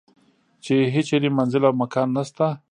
چې یې هیچرې منزل او مکان نشته.